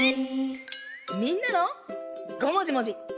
みんなのごもじもじ。